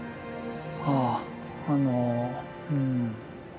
あああのうん。